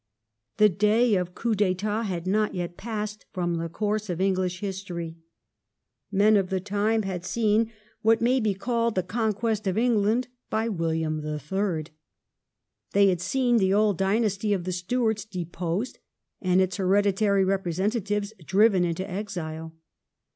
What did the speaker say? The day of coups d'etat had not yet passed from the course of English history. Men of the time had seen what may 1712 AN ERA OF COUPS D'fiTAT. 107 be called the conquest of England by William the Third. They had seen the old dynasty of the Stuarts deposed and its hereditary representatives driven into exile.